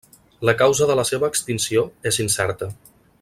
La causa de la seva extinció és incerta.